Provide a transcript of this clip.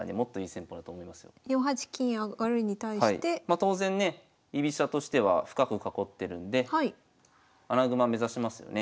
当然ね居飛車としては深く囲ってるんで穴熊目指しますよね